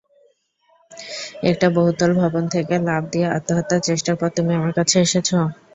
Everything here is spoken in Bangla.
একটা বহুতল ভবন থেকে লাফ দিয়ে আত্মহত্যার চেষ্টার পর তুমি আমার কাছে এসেছ।